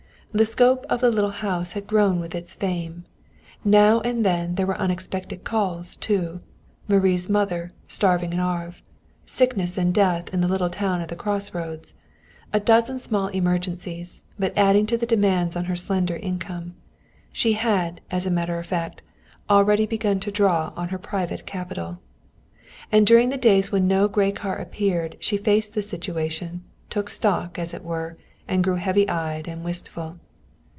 The scope of the little house had grown with its fame. Now and then there were unexpected calls, too Marie's mother, starving in Havre; sickness and death in the little town at the crossroads: a dozen small emergencies, but adding to the demands on her slender income. She had, as a matter of fact, already begun to draw on her private capital. And during the days when no gray car appeared she faced the situation, took stock, as it were, and grew heavy eyed and wistful.